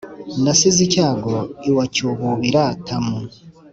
nasize icyago iwa cyububira-tamu.